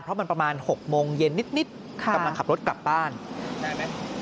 เพราะมันประมาณ๖โมงเย็นนิดกำลังขับรถกลับบ้านได้ไหม